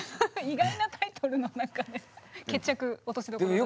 意外なタイトルのなんかね決着落としどころが。